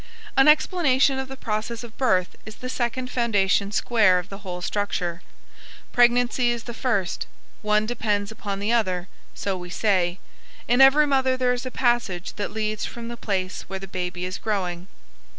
An explanation of the process of birth is the second foundation square of the whole structure. Pregnancy is the first. One depends upon the other, so we say: "In every mother there is a passage that leads from the place where the baby is growing.